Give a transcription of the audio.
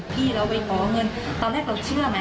พี่เราไปขอเงินตอนแรกเราเชื่อไหม